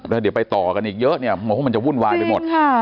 แล้วเดี๋ยวไปต่อกันอีกเยอะเนี่ยมันจะวุ่นวายไปหมด